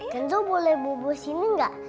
kanzo boleh bubur sini gak